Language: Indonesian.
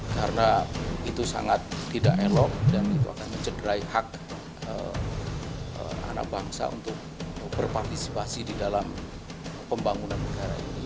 karena itu sangat tidak elok dan itu akan mencederai hak anak bangsa untuk berpartisipasi di dalam pembangunan udara ini